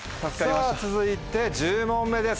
さぁ続いて１０問目です。